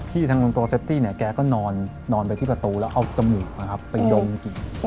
พี่ทางตัวเซฟตี้แกก็นอนไปที่ประตูแล้วเอาจมูกไปดมกลิ่น